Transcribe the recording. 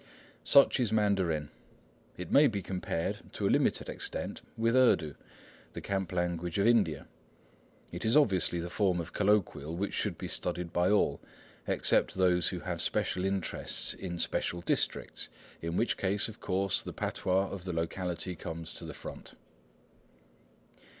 Such is Mandarin. It may be compared to a limited extent with Urdu, the camp language of India. It is obviously the form of colloquial which should be studied by all, except those who have special interests in special districts, in which case, of course, the patois of the locality comes to the front.